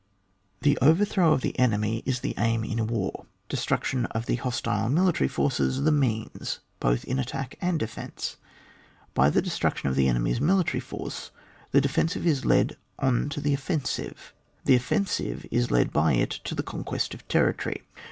The overthrow of the enemy is the aim in war ; destruction of the hostile mili tary forces, the means both in attack and defence. By the destruction of the enemy's military force, the defensive is led on to the offensive, the offensive is led by it to the conquest of territory.